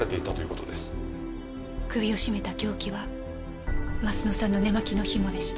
首を絞めた凶器は鱒乃さんの寝間着のひもでした。